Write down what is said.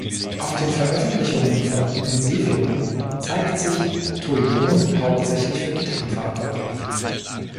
Auf den Veröffentlichungen von Ensiferum zeigt sich Toivonen hauptsächlich für Gitarren verantwortlich.